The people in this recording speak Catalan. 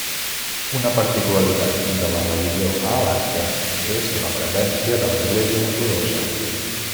Una particularitat de la religió a Alaska és la presència de l'Església Ortodoxa.